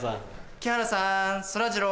木原さんそらジロー！